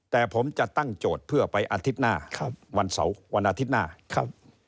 แต่ผมจะตั้งโจทย์เพื่อไปอาทิตย์หน้าครับวันเสาร์วันอาทิตย์หน้าครับ